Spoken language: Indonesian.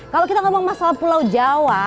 kalau kita ngomong masalah pulau jawa